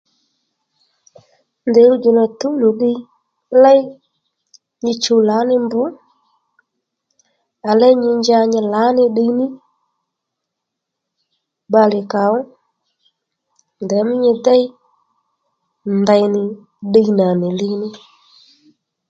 Ndèy ɦuwdjò nà tǔw nì ddiy léy nyi chuw lǎní mb à léy nyi nja nyi lǎní ddiy ní bbalè kàó ndèymí nyi déy ndèy nì ddiy nà nì li ní